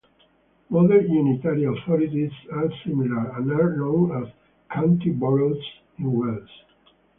Modern unitary authorities are similar, and are known as "county boroughs" in Wales.